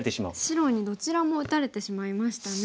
白にどちらも打たれてしまいましたね。